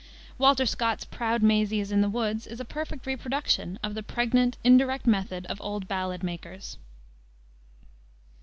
Walter Scott's Proud Maisie is in the Wood, is a perfect reproduction of the pregnant, indirect method of the old ballad makers.